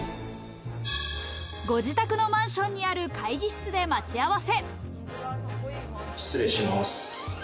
ご自宅のマンションにある会議室で待ち合わせ。